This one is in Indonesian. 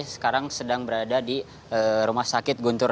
sekarang sedang berada di rumah sakit guntur